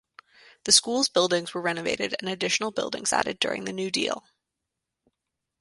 The school's buildings were renovated and additional buildings added during the New Deal.